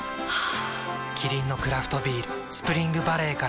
キリンのクラフトビール「スプリングバレー」から